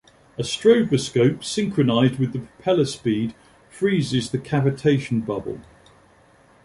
A stroboscope synchronized with the propeller speed "freezes" the cavitation bubble.